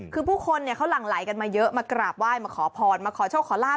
คือผู้คนเขาหลั่งไหลกันมาเยอะมากราบไหว้มาขอพรมาขอโชคขอลาบ